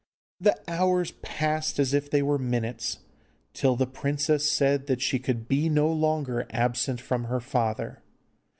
The hours passed as if they were minutes, till the princess said that she could be no longer absent from her father.